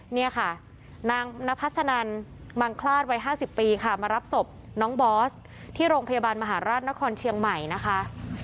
นี่ค่ะนางนพัสนันมังคลาดวัย๕๐ปีค่ะมารับศพน้องบอสที่โรงพยาบาลมหาราชนครเชียงใหม่นะคะ